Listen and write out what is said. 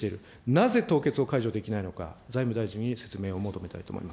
なぜ凍結を解除できないのか、財務大臣に説明を求めたいと思いま